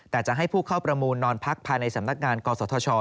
แต่จะให้ผู้เข้าประมูลนอนพักภายในสำนักงานกศธช